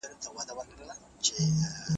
نشې انسان او ټولنه تباه کوي.